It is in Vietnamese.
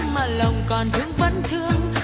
mà lòng còn thương vẫn thương